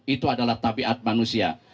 itu adalah tabiat manusia